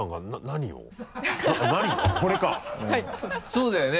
そうだよね。